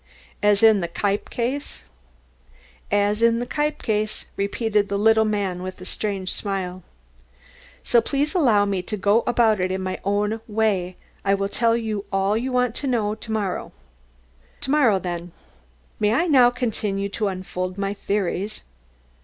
"As in the Kniepp case?" "As in the Kniepp case," repeated the little man with a strange smile. "So please allow me to go about it in my own way. I will tell you all you want to know to morrow." "To morrow, then." "May I now continue to unfold my theories?"